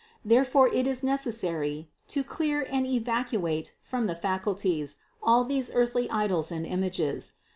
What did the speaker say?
There fore it is necessary to clear and evacuate from the facul ties all these earthly idols and images.